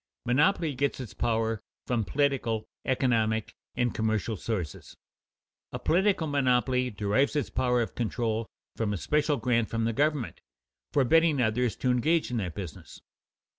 Monopoly gets its power from political, economic, and commercial sources. A political monopoly derives its power of control from a special grant from the government, forbidding others to engage in that business.